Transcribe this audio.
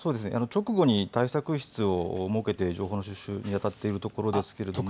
直後に対策室を設けて情報の収集に当たっているところですけれども。